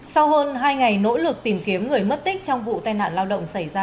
sau hơn hai ngày nỗ lực tìm kiếm người mất tích trong vụ tai nạn lao động xảy ra